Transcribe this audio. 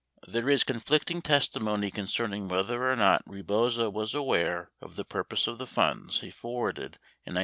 96 There is conflicting testimony concerning whether or not Rebozo was aware of the purpose of the funds that he forwarded in 1969.